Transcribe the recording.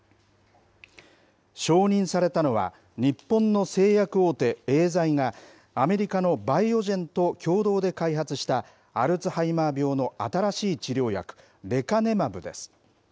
承認されたのは、日本の製薬大手、エーザイが、アメリカのバイオジェンと共同で開発したアルツハイマー病の新しい治療薬、レカネマブです。